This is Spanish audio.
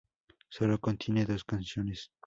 Solo contiene dos canciones.